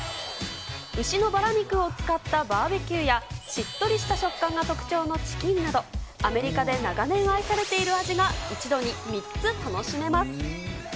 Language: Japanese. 牛のバラ肉を使ったバーベキューや、しっとりした食感が特徴のチキンなど、アメリカで長年愛されている味が、一度に３つ楽しめます。